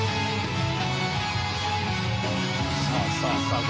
さあさあさあ